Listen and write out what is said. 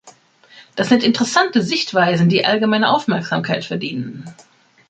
Das sind interessante Sichtweisen, die allgemeine Aufmerksamkeit verdienen.